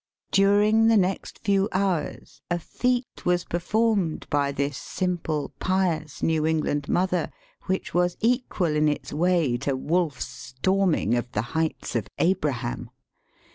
During the next few hours a feat was per formed by this simple, pious New England mother which was equal in its way to Wolfe's storming of the Heights of Abraham.